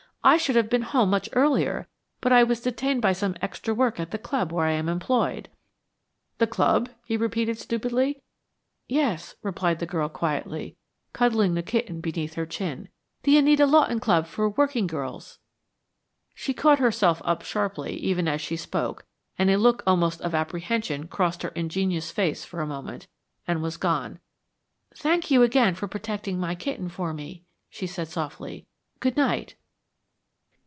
I should have been home much earlier but I was detained by some extra work at the club where I am employed." "The club?" he repeated stupidly. "Yes," replied the girl, quietly, cuddling the kitten beneath her chin. "The Anita Lawton Club for Working Girls." She caught herself up sharply, even as she spoke, and a look almost of apprehension crossed her ingenuous face for a moment, and was gone. "Thank you again for protecting my kitten for me," she said softly. "Good night."